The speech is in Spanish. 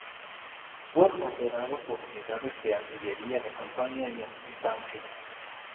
Fueron operados por unidades de artillería de campaña y antitanque.